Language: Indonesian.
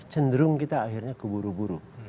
cenderung kita akhirnya keburu buru